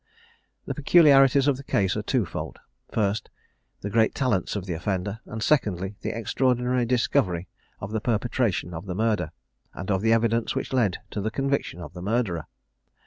The peculiarities of the case are twofold; first, the great talents of the offender, and secondly, the extraordinary discovery of the perpetration of the murder, and of the evidence which led to the conviction of the murderer.